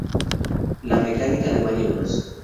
La mecánica de "Mario Bros.